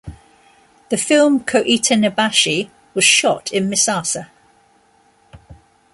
The film "Koitanibashi" was shot in Misasa.